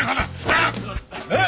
えっ！？